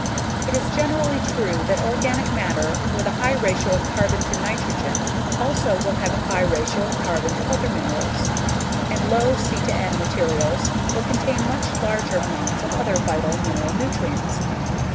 It is generally true that organic matter with a high ratio of carbon to nitrogen also will have a high ratio of carbon to other minerals. And low C/N materials will contain much larger amounts of other vital mineral nutrients.